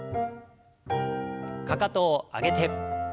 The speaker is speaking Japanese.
かかとを上げて。